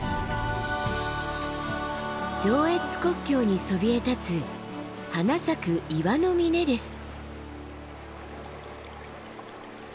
上越国境にそびえ立つ花咲く岩の峰です。